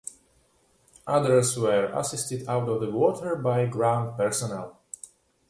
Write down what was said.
Others were assisted out of the water by ground personnel.